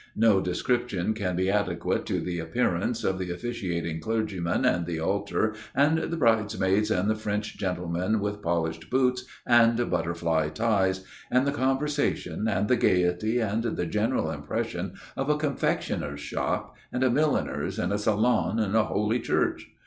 No description can be adequate to the appearance of the officiating clergyman and the altar and the bridesmaids and the French gentlemen with polished boots and butterfly ties, and the conversation, and the gaiety, and the general impression of a confectioner's shop and a milliner's and a salon and a holy church.